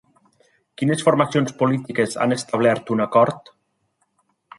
Quines formacions polítiques han establert un acord?